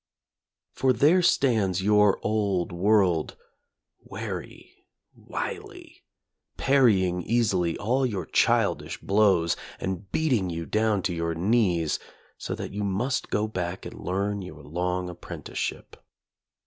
For there stands your old world, wary, wily, parrying easily all your childish blows, and beat ing you down to your knees, so that you must go back and learn your long apprenticeship.